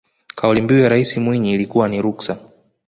kauli mbiu ya rais mwinyi ilikuwa ni ruksa